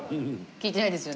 聞いてないです。